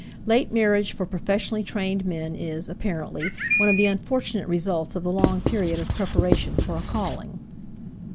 Late marriage for professionally trained men is, apparently, one of the unfortunate results of the long period of preparation for a calling.